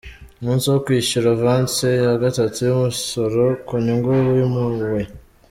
Umunsi wo kwishyura avanse ya gatatu y’umusoro ku nyungu wimuwe